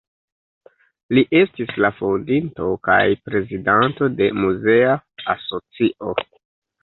Li estis la fondinto kaj prezidanto de muzea asocio.